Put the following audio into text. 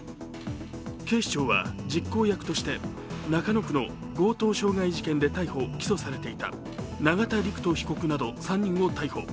警視庁は実行役として中野区の強盗傷害事件で逮捕・起訴されていた永田陸人被告など３人を逮捕。